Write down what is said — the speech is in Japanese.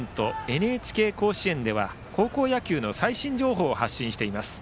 「ＮＨＫ甲子園」では高校野球の最新情報を発信しています。